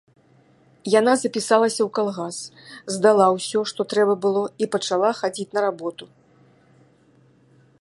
Яна запісалася ў калгас, здала ўсё, што трэба было, і пачала хадзіць на работу.